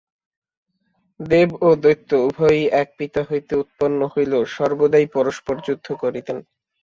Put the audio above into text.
দেব ও দৈত্য উভয়েই এক পিতা হইতে উৎপন্ন হইলেও সর্বদাই পরস্পর যুদ্ধ করিতেন।